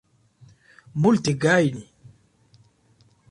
Multegajn!